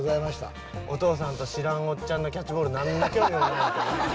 お父さんと知らんおっちゃんのキャッチボール何の興味もないみたいや。